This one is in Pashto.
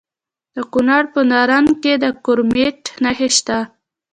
د کونړ په نرنګ کې د کرومایټ نښې شته.